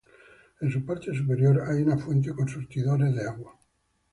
En su parte superior hay una fuente con surtidores de agua.